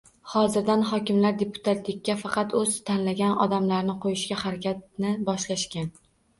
Hozirdan hokimlar deputatlikka faqat o‘zi tanlagan odamlarini qo‘yishga harakatni boshlashgan.